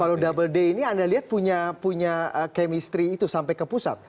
kalau ddd ini anda lihat punya chemistry itu sampai ke pusat